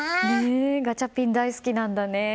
ガチャピン大好きなんだね。